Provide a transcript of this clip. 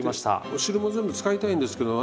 お汁も全部使いたいんですけど